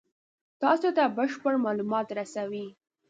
تاسې ته بشپړ مالومات رسوي.